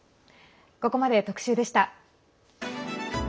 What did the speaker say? ここまで特集でした。